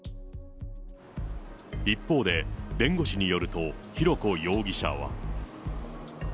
一方で、弁護士によると、浩子容疑者は。